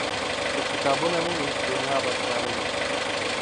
که کتابونه نه وي، دنیا به تیاره وي.